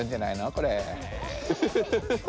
これ。